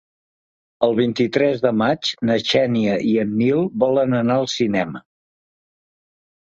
El vint-i-tres de maig na Xènia i en Nil volen anar al cinema.